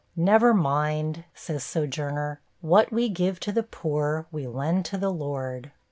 'Never mind,' says Sojourner, 'what we give to the poor, we lend to the Lord.'